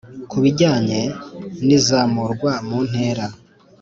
ku bijyanye n’izamurwa mu ntera